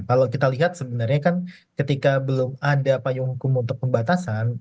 kalau kita lihat sebenarnya kan ketika belum ada payung hukum untuk pembatasan